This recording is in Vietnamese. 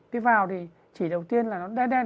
cái vào thì chỉ đầu tiên là nó đen đen